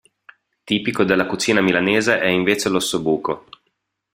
Tipico della cucina milanese è invece l'ossobuco.